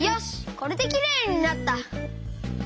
これできれいになった！